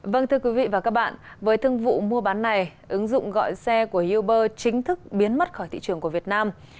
vâng thưa quý vị và các bạn với thương vụ mua bán này ứng dụng gọi xe của uber chính thức biến mất khỏi thị trường của việt nam